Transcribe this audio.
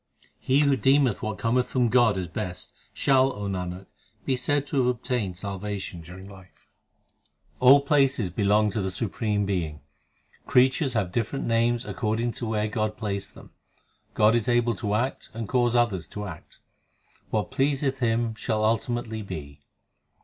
He who deemeth what cometh from God as best, Shall, O Nanak, be said to have obtained salvation during life. 8 All places belong to the Supreme Being ; Creatures have different names according to where God placed them. God is able to act and cause others to act ; What pleaseth Him shall ultimately be.